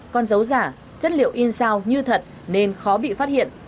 con dấu giả chất liệu in sao như thật nên khó bị phát hiện